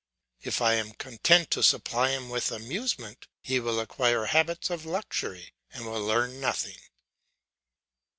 If I am content to supply him with amusement, he will acquire habits of luxury and will learn nothing.